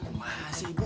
gimana sih bu